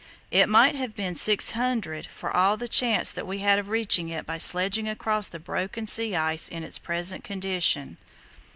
It might have been six hundred for all the chance that we had of reaching it by sledging across the broken sea ice in its present condition.